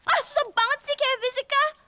ah susah banget sih kayak fisika